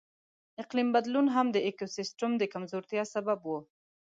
اقلیم بدلون هم د ایکوسیستم د کمزورتیا سبب و.